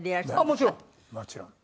もちろん。